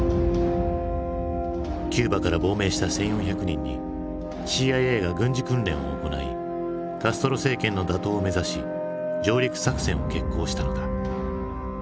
キューバから亡命した１，４００人にＣＩＡが軍事訓練を行いカストロ政権の打倒を目指し上陸作戦を決行したのだ。